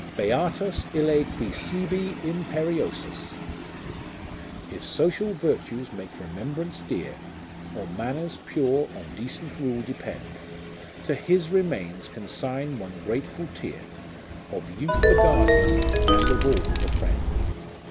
Beatus ille qui sibi imperiosus ! If social virtues make remembrance dear, Or manners pure on decent rule depend ; To His remains consign one grateful tear, Of youth the Guardian, and of all the Friend.